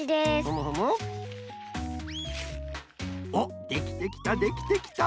おっできてきたできてきた。